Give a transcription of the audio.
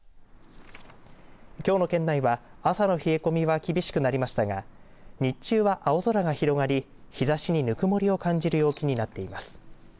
きょうの県内は朝の冷え込みは厳しくなりましたが日中は青空が広がり日ざしにぬくもりを感じる陽気になっています。